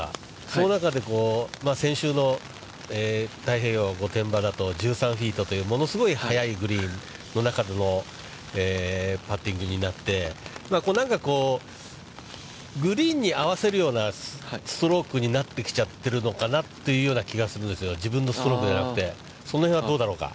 その中で、先週の太平洋、御殿場だとか、１３フィートという物すごい速いグリーンの中でのパッティングになって、なんか、グリーンに合わせるようなストロークになってきちゃってるのかなという気がするんですけど、自分のストロークではなくて、その辺はどうだろうか。